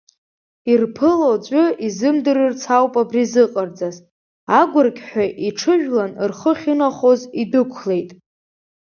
Ирԥыло аӡәы изымдырырц ауп абри зыҟарҵаз, агәырқьҳәа инҽыжәлан рхы ахьынахо идәықәлеит.